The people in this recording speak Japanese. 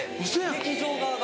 劇場側が。